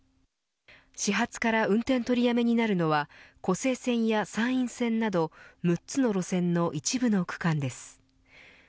始発から運転取りやめになるのは湖西線や山陰線など６つの路線の一部の区間です。